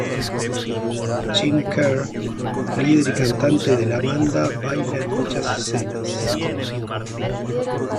Jim Kerr, líder y cantante de la banda, baila en muchas escenas.